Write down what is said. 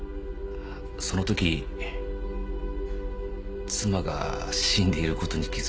そのとき妻が死んでいることに気付いたんです。